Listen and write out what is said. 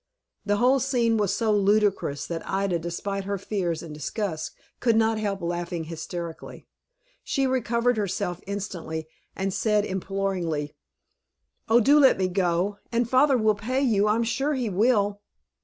The whole scene was so ludicrous that Ida, despite her fears and disgust, could not help laughing hysterically. She recovered herself instantly, and said, imploringly, "Oh, do let me go, and father will pay you; I'm sure he will."